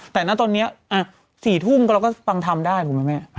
แต่ณตอนนี้๔ทุ่มก็พังทำได้ถูกมั้ยแม่